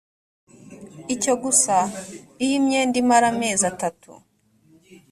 icyo gusa iyo imyenda imara amezi atatu